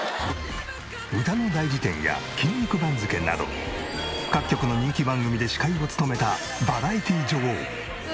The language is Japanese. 『歌の大辞テン！！』や『筋肉番付』など各局の人気番組で司会を務めたバラエティ女王。